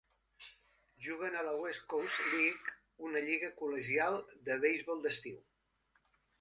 Juguen a la West Coast League, una lliga col·legial de beisbol d'estiu.